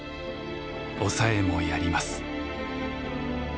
抑えもやります」。